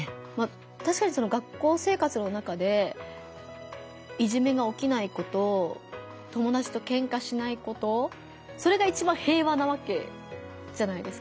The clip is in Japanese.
たしかに学校生活の中でいじめがおきないこと友だちとケンカしないことそれが一番平和なわけじゃないですか。